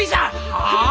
はあ！？